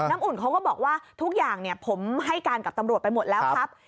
อุ่นเขาก็บอกว่าทุกอย่างผมให้การกับตำรวจไปหมดแล้วครับ